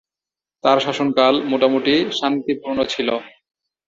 তার শাসনকাল মোটামুটি শান্তিপূর্ণ ছিল।